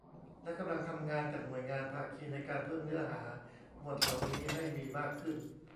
และกำลังทำงานกับหน่วยงานภาคีในการเพิ่มเนื้อหาหมวดเหล่านี้ให้มีมากขึ้น